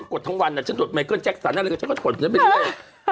กดทั้งวันฉันดูไมเคิลแจ็คสาฉันก็หัวโดนไปด้วย